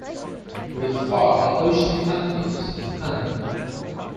With far the ocean continues to thunder.